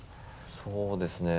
そうですね